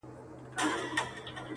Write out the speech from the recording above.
غوجله د عمل ځای ټاکل کيږي او فضا تياره